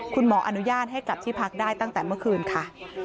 คุณหมออนุญาตให้กลับที่พักได้ตั้งแต่เมื่อคืนค่ะ